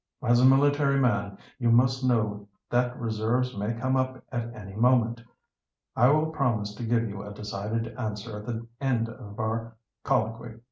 "As a military man, you must know that reserves may come up at any moment. I will promise to give you a decided answer at the end of our colloquy.